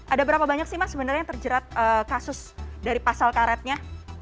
ada berapa banyak sih mas sebenarnya yang terjerat kasus dari pasal karetnya